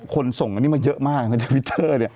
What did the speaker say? ส่งอันนี้มาเยอะมากในทวิตเตอร์เนี่ย